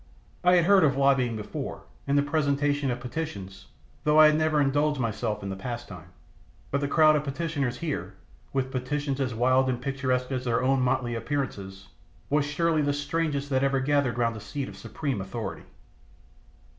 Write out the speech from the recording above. I had heard of lobbying before, and the presentation of petitions, though I had never indulged myself in the pastime; but the crowd of petitioners here, with petitions as wild and picturesque as their own motley appearances, was surely the strangest that ever gathered round a seat of supreme authority.